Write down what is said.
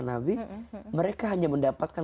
nabi mereka hanya mendapatkan